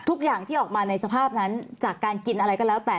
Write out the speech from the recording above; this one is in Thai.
ทุกอย่างที่ออกมาในสภาพนั้นจากการกินอะไรก็แล้วแต่